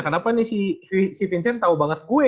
kenapa nih si vincent tau banget gue katanya